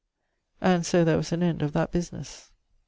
and so there was an end of that businesse.